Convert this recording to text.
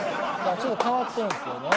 ちょっと変わってるんすよね。